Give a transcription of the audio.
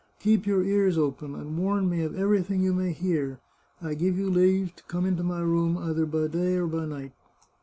Keep your ears open, and warn me of everything you may hear. I give you leave to come into my room either by day or night."